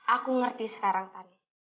aku ngerti sekarang tani